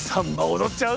踊っちゃう？